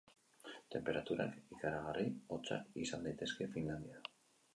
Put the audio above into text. Tenperaturak ikaragarri hotzak izan daitezke Finlandian.